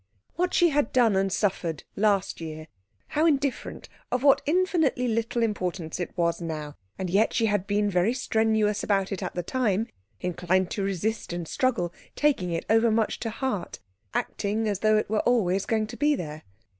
What she had done and suffered last year, how indifferent, of what infinitely little importance it was, now; and yet she had been very strenuous about it at the time, inclined to resist and struggle, taking it over much to heart, acting as though it were always going to be there.